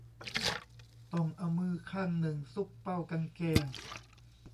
ต้องเอามือข้างหนึ่งซุกเป้ากางเกง